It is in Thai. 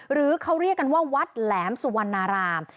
หรือเขาเรียกกันว่าวัดแหลมสุวรรณาราม